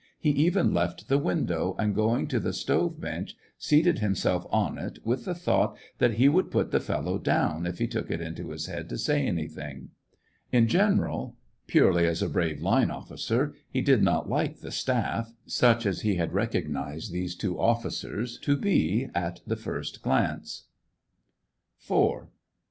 He even left the window, and, going to the stove bench, seated himself on it, with the thought that he would put the fellow down if he took it into his head to say anything. In general, purely as a brave " line " otficer, he did not like "the staff," such as he had recognized these two officers to be at the first glance. 138 SEVASTOPOL IN AUGUST. IV.